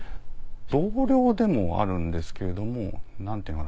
同僚でもあるんですけれども何ていうのかな